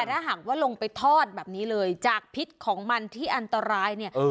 ถ้าหากว่าลงไปทอดแบบนี้เลยจากพิษของมันที่อันตรายเนี่ย